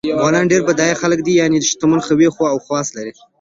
افغانان ډېر بډایه خلګ دي یعنی شتمن خوی او خواص لري